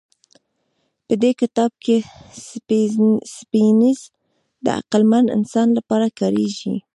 په دې کتاب کې سیپینز د عقلمن انسان لپاره کارېږي.